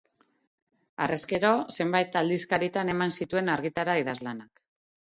Harrezkero, zenbait aldizkaritan eman zituen argitara idazlanak.